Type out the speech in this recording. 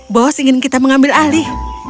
bos ingin kita mengambil alih